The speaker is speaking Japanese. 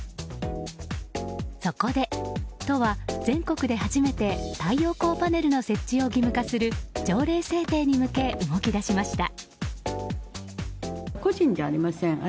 そこで、都は全国で初めて太陽光パネルの設置を義務化する条例制定に向け動き出しました。